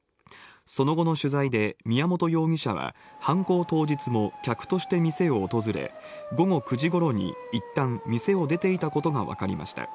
その後の取材で宮本容疑者は犯行当日も客として店を訪れ午後９時ごろにいったん店を出ていたことが分かりました。